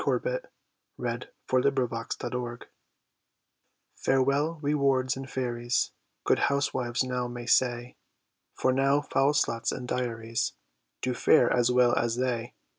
FAREWELL TO THE FAIRIES Farewell rewards and fairies, Good housewives now may say, For now foul sluts in dairies Do fare as well as they.